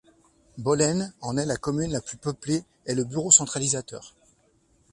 Bollène en est la commune la plus peuplée et le bureau centralisateur.